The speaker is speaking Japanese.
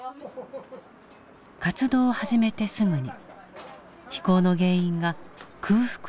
活動を始めてすぐに非行の原因が空腹にある事に気付き